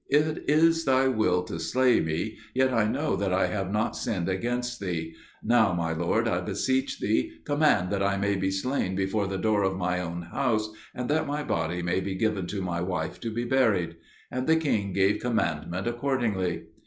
It is thy will to slay me, yet I know that I have not sinned against thee. Now, my lord, I beseech thee, command that I may be slain before the door of my own house, and that my body may be given to my wife to be buried." And the king gave commandment accordingly.